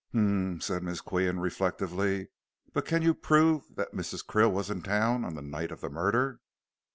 "Hum," said Miss Qian, reflectively, "but can you prove that Mrs. Krill was in town on the night of the murder?"